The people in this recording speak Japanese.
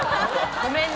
ごめんね。